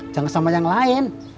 jangan sama yang lain